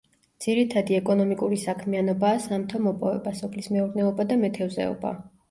ძირითადი ეკონომიკური საქმიანობაა სამთო–მოპოვება, სოფლის მეურნეობა და მეთევზეობა.